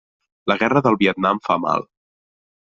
La guerra del Vietnam fa mal.